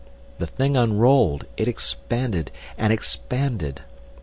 The thing unrolled, it expanded and expanded.